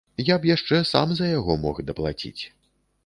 Я б яшчэ сам за яго мог даплаціць.